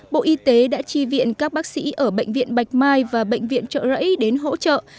bộ y tế đã tri viện các bác sĩ ở bệnh viện bạch mai và bệnh viện trợ rẫy đến hỗ trợ